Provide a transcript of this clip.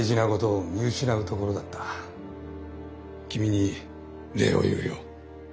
君に礼を言うよ。